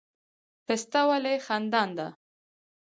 پسته ولې خندان ده؟